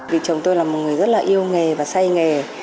vì chồng tôi là một người rất là yêu nghề và say nghề